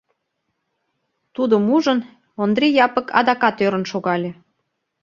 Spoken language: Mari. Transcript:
Тудым ужын, Ондри Япык адакат ӧрын шогале.